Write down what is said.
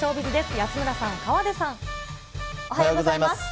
安村さん、おはようございます。